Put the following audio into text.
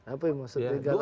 apa yang maksudnya